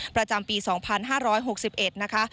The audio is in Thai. ประจำปี๒๕๖๑นะคะ